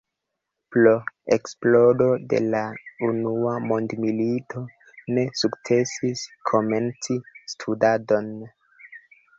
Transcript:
Pro eksplodo de la unua mondmilito ne sukcesis komenci studadon.